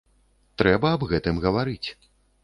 Трэба аб гэтым гаварыць.